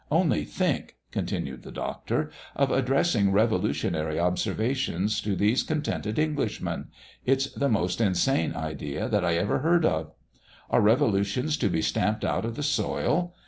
Only think," continued the Doctor, "of addressing revolutionary observations to these contented Englishmen! It's the most insane idea that I ever heard of! Are revolutions to be stamped out of the soil?